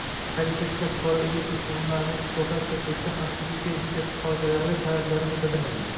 Qayd etilishicha, fuqaro elektr qurilmalarni ekspluatatsiya qilishda xavfsizlik texnikasi qoidalari talablarini bajarmagan